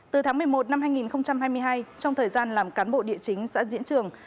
từ tháng một mươi một năm hai nghìn hai mươi hai trong thời gian làm cán bộ địa chính xã diễn trường